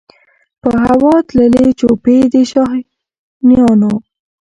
په هوا تللې جوپې د شاهینانو